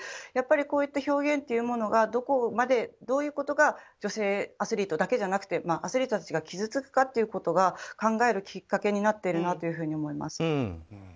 やっぱりこういった表現がどこまで、どういうことが女性アスリートだけじゃなくてアスリートたちが傷つくかということが考えるきっかけになっているなと思います。